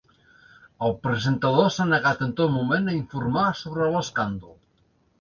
El presentador s’ha negat en tot moment a informar sobre l’escàndol.